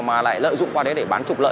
mà lại lợi dụng qua đấy để bán trục lợi